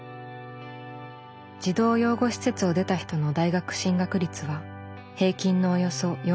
児童養護施設を出た人の大学進学率は平均のおよそ４分の１。